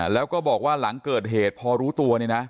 แล้วก็บอกว่าหลังเกิดเหตุพอรู้ตัวเนี่ยนะ